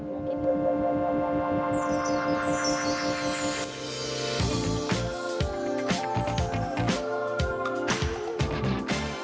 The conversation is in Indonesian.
jadi kita mulai dari satu temen dan kita mencoba